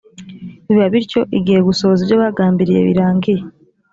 biba bityo igihe gusohoza ibyo bagambiriye birangiye